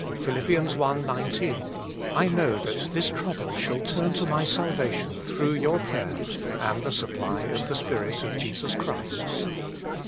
Phil. i. 19 : "I know that this (trouble) shall turn to my salvation, through your prayer, and the supply of the Spirit of Jesus Christ."